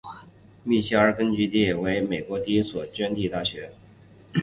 密歇根州立大学是美国第一所赠地大学。